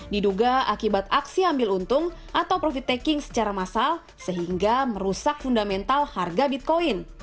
diduga akibat aksi ambil untung atau profit taking secara massal sehingga merusak fundamental harga bitcoin